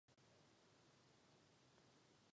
Jednalo se o zcela novou konstrukci.